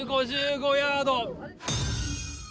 ２５５ヤード。